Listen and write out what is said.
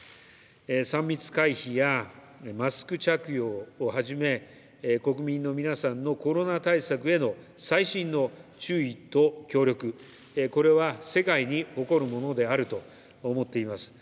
３密回避や、マスク着用をはじめ、国民の皆さんのコロナ対策への細心の注意と協力、これは世界に誇るものであると思っています。